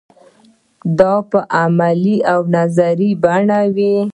دا په عملي او نظري بڼه وي.